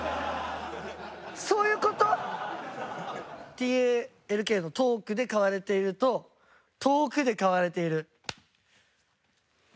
「ｔａｌｋ」のトークで買われていると「遠く」で買われている。